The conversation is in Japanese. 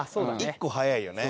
１個早いよね。